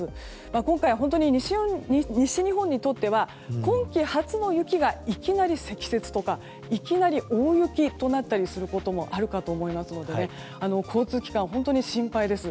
今回は本当に西日本にとっては今季初の雪がいきなり積雪とかいきなり大雪となったりすることもあるかと思いますので交通機関、本当に心配です。